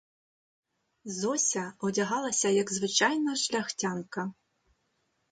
Зося одягалася як звичайна шляхтянка.